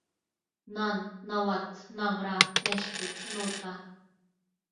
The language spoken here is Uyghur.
نان، ناۋات، ناغرا، نەشپۈت، نوتا.